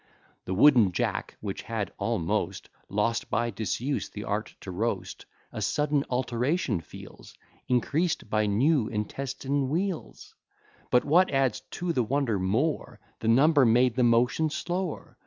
The wooden jack, which had almost Lost by disuse the art to roast, A sudden alteration feels, Increas'd by new intestine wheels; But what adds to the wonder more, The number made the motion slower.